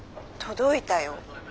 届いたよ。